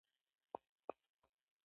نړۍ جنګي میینان مخ ووینځي.